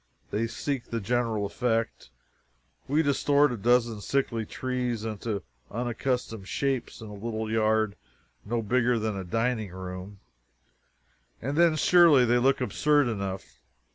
They seek the general effect. We distort a dozen sickly trees into unaccustomed shapes in a little yard no bigger than a dining room, and then surely they look absurd enough.